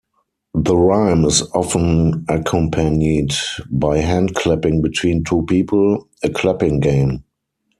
The rhyme is often accompanied by hand-clapping between two people, a clapping game.